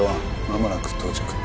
まもなく到着。